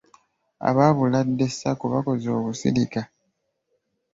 Aba Buladde Sacco bakoze olusirika.